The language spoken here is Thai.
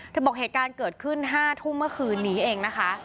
บอกเหตุการณ์เกิดขึ้น๕ทุ่มเมื่อคืนนี้เองนะคะ